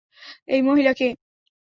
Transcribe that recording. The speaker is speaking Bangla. এই মহিলা কে?